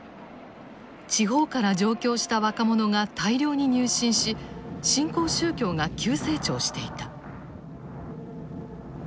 地方から上京した若者が大量に入信し新興宗教が急成長していた。